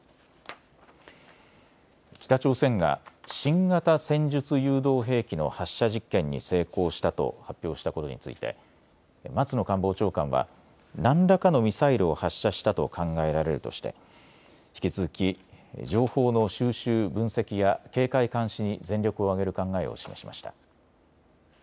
北朝鮮が新型戦術誘導兵器の発射実験に成功したと発表したことについて松野官房長官は何らかのミサイルを発射したと考えられるとして引き続き情報の収集分析や警戒監視に全力を挙げる考えを示しました。